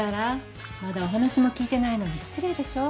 氷柱まだお話も聞いてないのに失礼でしょ